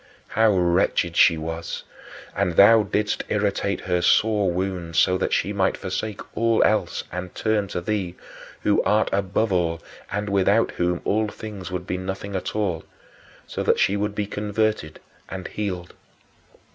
How wretched she was! And thou didst irritate her sore wound so that she might forsake all else and turn to thee who art above all and without whom all things would be nothing at all so that she should be converted and healed.